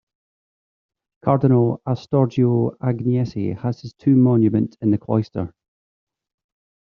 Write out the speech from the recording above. Cardinal Astorgio Agnensi has his tomb monument in the cloister.